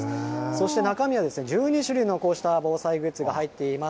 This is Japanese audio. そして中身は１２種類のこうした防災グッズが入っています。